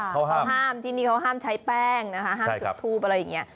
เขาห้ามที่นี่เขาห้ามใช้แป้งนะครับทูปอะไรเนี่ย